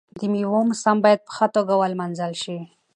د میوو موسم باید په ښه توګه ولمانځل شي.